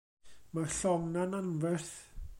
Mae'r llong 'na 'n anferth.